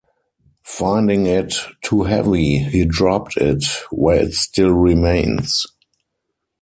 Finding it too heavy, he dropped it where it still remains.